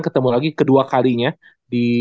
ketemu lagi kedua kalinya di